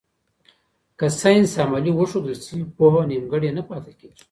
که ساینس عملي وښودل سي، پوهه نیمګړې نه پاته کېږي.